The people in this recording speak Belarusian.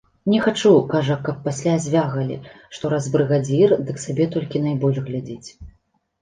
Не хачу, кажа, каб пасля звягалі, што раз брыгадзір, дык сабе толькі найбольш глядзіць.